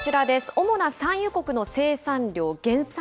主な産油国の生産量、減産？